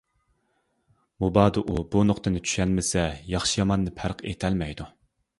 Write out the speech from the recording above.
مۇبادا، ئۇ بۇ نۇقتىنى چۈشەنمىسە، ياخشى-ياماننى پەرق ئېتەلمەيدۇ.